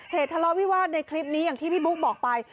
ทะเลาะวิวาสในคลิปนี้อย่างที่พี่บุ๊คบอกไป